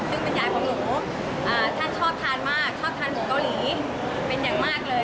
ซึ่งเป็นยายของหนูท่านชอบทานมากชอบทานหมูเกาหลีเป็นอย่างมากเลย